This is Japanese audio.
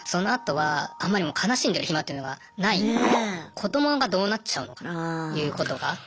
子どもがどうなっちゃうのかっていうことが。